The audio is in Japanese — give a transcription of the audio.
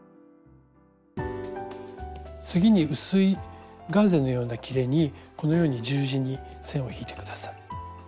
次に薄いガーゼのようなきれにこのように十字に線を引いて下さい。